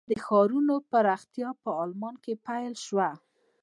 وروسته د ښارونو پراختیا په آلمان کې پیل شوه.